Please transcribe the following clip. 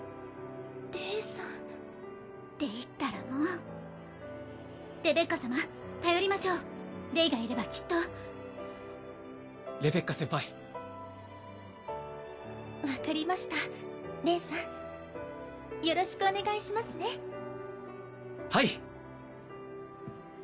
レイさんレイったらもうレベッカ様頼りましょうレイがいればきっとレベッカ先輩分かりましたレイさんよろしくお願いしますねはい！